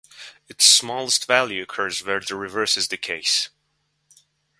Its smallest value occurs where the reverse is the case.